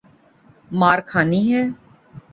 مار کھانی ہے؟